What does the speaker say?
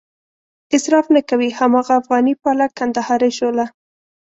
اصراف نه کوي هماغه افغاني پالک، کندهارۍ شوله.